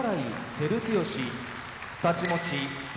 照強太刀持ち宝